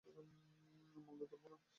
মামলা তুলবো না।